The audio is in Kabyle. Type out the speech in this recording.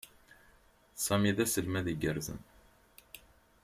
Sami d aselmad iggerzen.